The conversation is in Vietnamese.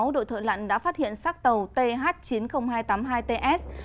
đội thợ lặn đã phát hiện sát tàu th chín mươi nghìn hai trăm tám mươi hai ts